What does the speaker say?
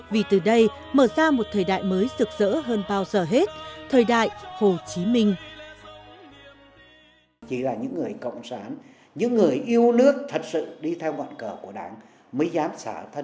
vì từ đây mở ra một thời đại mới rực rỡ hơn bao giờ hết thời đại hồ chí minh